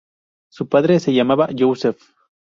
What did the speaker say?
Su padre se llamaba Youssef.